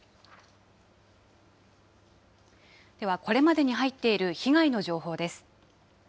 では、これまでに入っている被害の情報です。